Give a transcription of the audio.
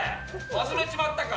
忘れちまったか？